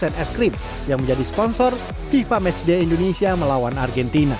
dan produsen eskrim yang menjadi sponsor fifa match day indonesia melawan argentina